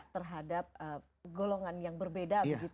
terhadap golongan yang berbeda